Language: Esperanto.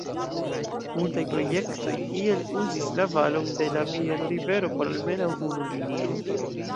Multaj projektoj iel uzis la valon de la Vieno-rivero por almenaŭ unu linio.